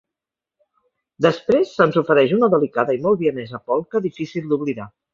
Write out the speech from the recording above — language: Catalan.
Després se'ns ofereix una delicada i molt vienesa polca difícil d'oblidar.